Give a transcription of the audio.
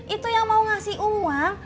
itu yang mau ngasih uang